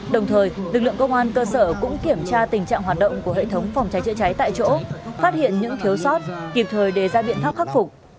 đồng thời lực lượng công an cơ sở cũng kiểm tra tình trạng hoạt động của hệ thống phòng cháy chữa cháy tại chỗ phát hiện những thiếu sót kịp thời đề ra biện pháp khắc phục